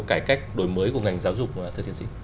cải cách đổi mới của ngành giáo dục thưa thiên sĩ